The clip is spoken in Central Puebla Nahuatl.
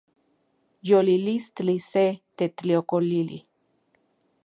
Yolilistli se tetliokolili